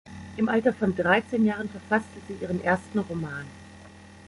Im Alter von dreizehn Jahren verfasste sie ihren ersten Roman.